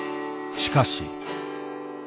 しかし。